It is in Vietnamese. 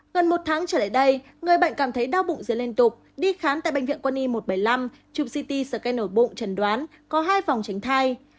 gần một tháng trở lại đây người bệnh cảm thấy đau bụng dưới liên tục đi khám tại bệnh viện quân y một trăm bảy mươi năm chụp ct scan ổ bụng trần đoán có hai vòng tránh thai